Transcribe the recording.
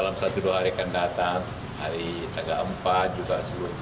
masukkan dari pak sby